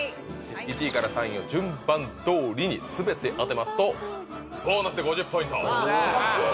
１位から３位を順番どおりに全て当てますとボーナスで５０ポイント。